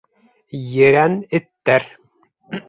ЕРӘН ЭТТӘР